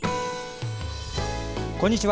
こんにちは。